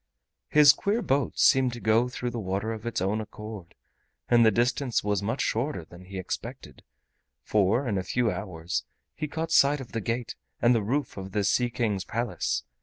His queer boat seemed to go through the water of its own accord, and the distance was much shorter than he had expected, for in a few hours he caught sight of the gate and the roof of the Sea King's Palace.